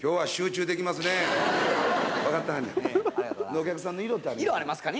お客さんの色ってありますね。